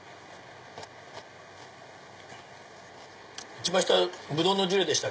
一番下ブドウのジュレでした？